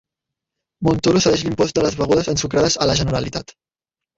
Montoro cedeix l'impost de les begudes ensucrades a la Generalitat